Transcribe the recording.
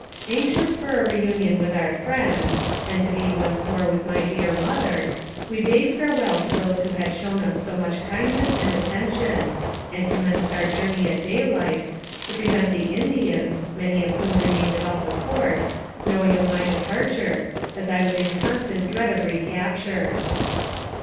Anxious for a re union with our friends, and to be once more with my dear mother, we bade farewell to those who had shown us so much kindness and atten tion, and commenced our journey at daylight, to pre vent the Indians, many of whom remained about the fort, knowing of my departure, as I was in constant dread of recapture.